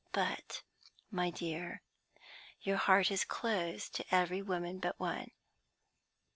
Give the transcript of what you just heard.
But, my dear, your heart is closed to every woman but one.